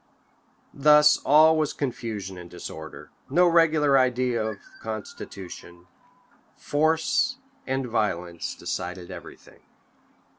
Thus all was confusion and disorder; no regular idea of a constitution; force and violence decided every thing.